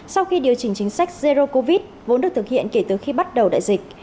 sau khi điều chỉnh chính sách zero covid vốn được thực hiện kể từ khi bắt đầu đại dịch